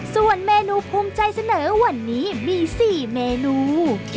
ส่วนเมนูภูมิใจเสนอวันนี้มี๔เมนู